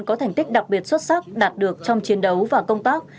có thành tích đặc biệt xuất sắc đạt được trong chiến đấu và công tác